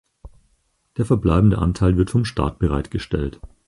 Der verbleibende Anteil wird vom Staat bereitgestellt.